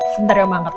sendirian banget pak